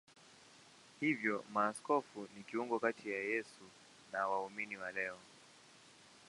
Hivyo maaskofu ni kiungo kati ya Yesu na waumini wa leo.